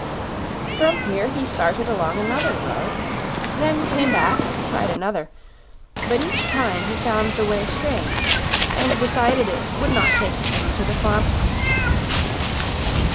From here he started along another road; then came back and tried another; but each time he found the way strange and decided it would not take them to the farm house.